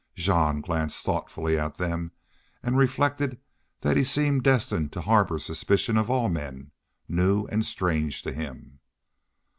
Jean glanced thoughtfully at them and reflected that he seemed destined to harbor suspicion of all men new and strange to him.